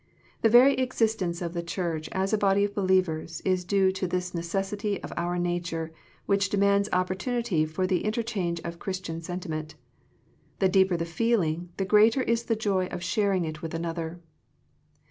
The very existence of the Church as a body of believers is due to this necessity of our nature, which demands oppor tunity for the interchange of Christian sentiment. The deeper the feeling, the greater is the joy of sharing it with another.